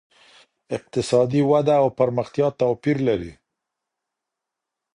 اقتصادي وده او پرمختيا توپير لري.